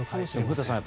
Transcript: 古田さん